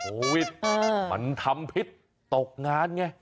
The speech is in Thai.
โอ้วิทย์มันทำพิษตกงานไง